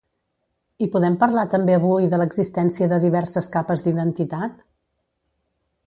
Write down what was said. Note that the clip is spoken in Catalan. I podem parlar també avui de l’existència de diverses capes d’identitat?